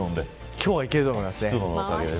今日はいけると思いますね。